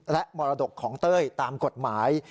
และมรดกของเต้ยตามกฎหมาย